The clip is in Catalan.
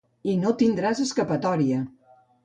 I no tindràs escapatòria.